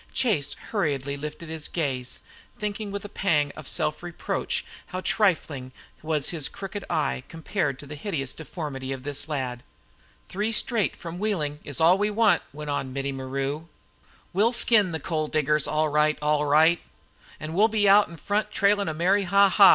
Chase hurriedly lifted his gaze, thinking with a pang of self reproach how trifling was his crooked eye compared to the hideous deformity of this lad. "Three straight from Wheelin' is all we want," went on Mittie Maru. "We'll skin the coal diggers all right, all right. An' we 'll be out in front trailin' a merry 'Ha! Ha!'